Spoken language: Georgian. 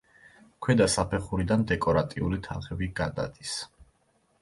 ქვედა საფეხურიდან დეკორატიული თაღები გადადის.